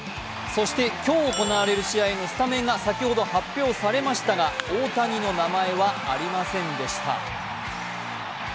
そして、今日行われる試合のスタメンが先ほど発表されましたが、大谷の名前はありませんでした。